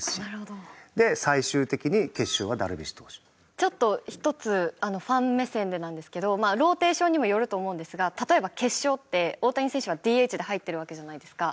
ちょっと１つファン目線でなんですけどローテーションにもよると思うんですが例えば決勝って大谷選手はＤＨで入ってるわけじゃないですか。